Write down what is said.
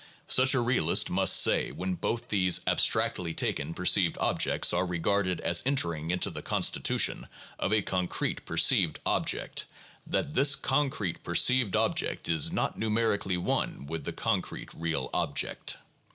Such a realist must say, when both these abstractly taken per ceived objects are regarded as entering into the constitution of a concrete perceived object, that this concrete perceived object is not numerically one with the concrete real object.